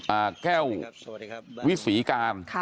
อ่าแก้ววิษีการ